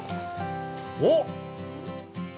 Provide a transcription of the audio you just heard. おっ！